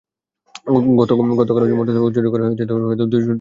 গতকাল মোটরসাইকেল চুরি করার সময় জনগণের সহায়তায় পুলিশ দুই চোরকে গ্রেপ্তার করে।